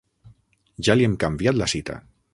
Ja li hem canviat la cita.